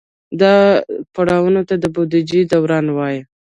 دې پړاوونو ته د بودیجې دوران وایي.